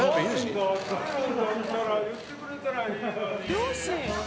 「両親！」